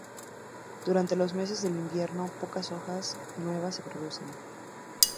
Durante los meses del invierno pocas hojas nuevas se producen.